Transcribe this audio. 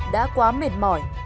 đã quá mệt mỏi